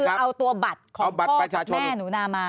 คือเอาตัวบัตรของพ่อแม่หนูนามา